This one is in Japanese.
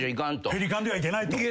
ペリカンではいけないと。